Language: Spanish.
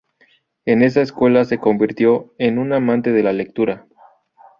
En esa escuela se convirtió en un amante de la lectura.